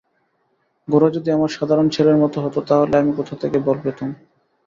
গোরা যদি আমার সাধারণ ছেলের মতো হত তা হলে আমি কোথা থেকে বল পেতুম!